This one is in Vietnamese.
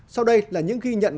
sau đây là những ghi nhận